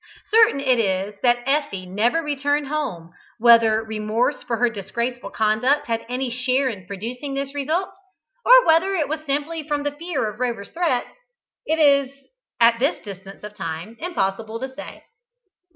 Certain it is that Effie never returned home; whether remorse for her disgraceful conduct had any share in producing this result, or whether it was simply from the fear of Rover's threats, it is at this distance of time impossible to say.